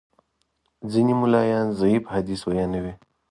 ځینې ملایان ضعیف حدیث بیانوي.